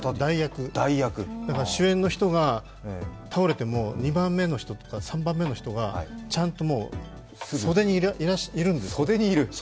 代役、だから主演の人が倒れても２番目の人や３番目の人がちゃんと袖にいるんですよ。